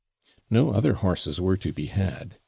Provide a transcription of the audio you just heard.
No other horses were to be had.